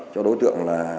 cho đối tượng